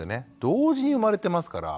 同時に生まれてますから。